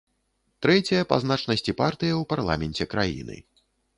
Трэцяя па значнасці партыя ў парламенце краіны.